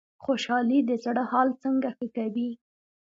خوشحالي د زړه حال څنګه ښه کوي؟